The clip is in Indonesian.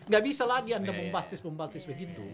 gak bisa lagi anda mempastis mempastis begitu